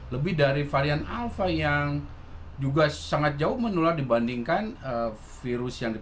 lebih dari varian alpha yang juga sangat jauh menular dibandingkan virus yang di